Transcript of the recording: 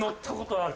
ある！